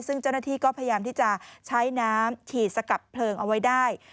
ซึ่งเจ้าหน้าที่ก็พยายามที่จะใช้น้ำฉีดสกัดเพลิงเอาไว้ได้